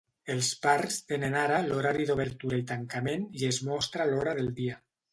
Els parcs tenen ara l'horari d'obertura i tancament i es mostra l'hora del dia.